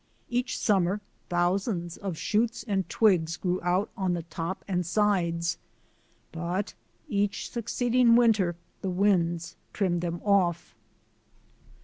Each summer thousands of shoots and twigs grew out on the top and sides, but each succeeding winter the winds trimmed them off.